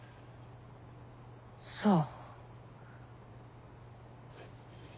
そう。